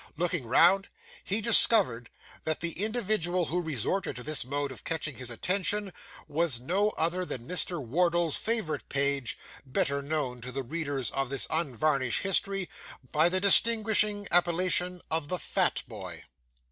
Looking round, he discovered that the individual who resorted to this mode of catching his attention was no other than Mr. Wardle's favourite page, better known to the readers of this unvarnished history, by the distinguishing appellation of the fat boy.